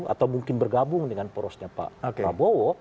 atau mungkin bergabung dengan porosnya pak prabowo